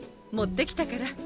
持ってきたから。